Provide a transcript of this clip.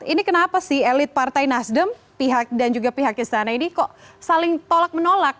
ini kenapa sih elit partai nasdem dan juga pihak istana ini kok saling tolak menolak